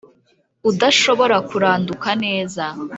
Udashobora kuranduka neza